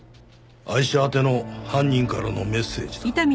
アイシャ宛ての犯人からのメッセージだ。